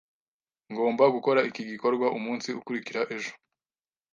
Ngomba gukora iki gikorwa umunsi ukurikira ejo.